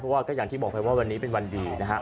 เพราะว่าก็อย่างที่บอกไปว่าวันนี้เป็นวันดีนะครับ